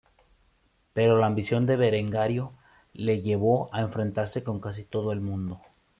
Pero la ambición de Berengario le llevó a enfrentarse con casi todo el mundo.